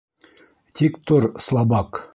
— Тик тор, слабак!